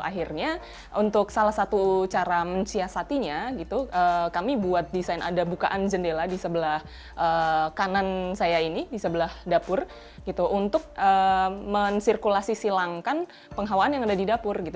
akhirnya untuk salah satu cara mensiasatinya gitu kami buat desain ada bukaan jendela di sebelah kanan saya ini di sebelah dapur gitu untuk mensirkulasi silangkan penghawaan yang ada di dapur gitu